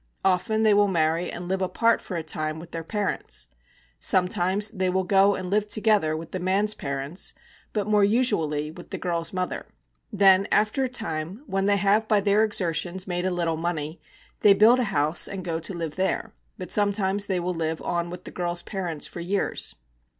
Often they will marry and live apart for a time with their parents. Sometimes they will go and live together with the man's parents, but more usually with the girl's mother. Then after a time, when they have by their exertions made a little money, they build a house and go to live there; but sometimes they will live on with the girl's parents for years.